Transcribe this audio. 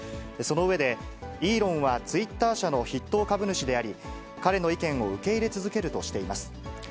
その上で、イーロンはツイッター社の筆頭株主であり、彼の意見を受け入れ続けるとしています。